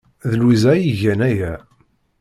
D Lwiza ay igan aya.